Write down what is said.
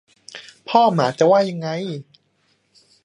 พ่อหมาจะว่ายังไง